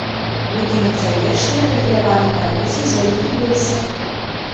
Будынак завершаны прафіляваным карнізам з вялікім вынасам.